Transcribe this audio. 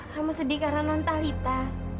kamu sedih karena non talita